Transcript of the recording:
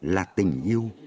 là tình yêu